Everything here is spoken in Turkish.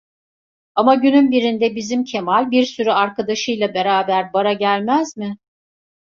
Ama günün birinde bizim Kemal bir sürü arkadaşı ile beraber bara gelmez mi?